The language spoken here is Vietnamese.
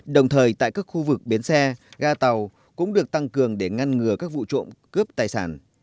đồng thời tại các khu vực bến xe ga tàu cũng được tăng cường để ngăn ngừa các vụ trộm cướp tài sản